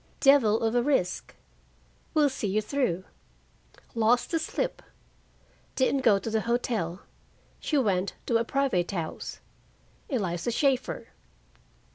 "Devil of a risk " "We'll see you through." "Lost the slip " "Didn't go to the hotel. She went to a private house." "Eliza Shaeffer."